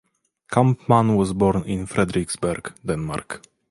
Kampmann was born in Frederiksberg Denmark.